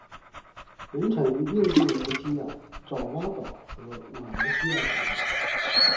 原产于印度尼西亚爪哇岛和马来西亚等地。